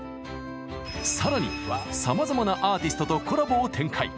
さらにさまざまなアーティストとコラボを展開。